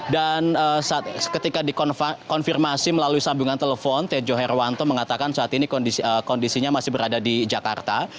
dan ketika dikonfirmasi melalui sambungan telepon tejo herwanto mengatakan saat ini kondisinya masih berada di jakarta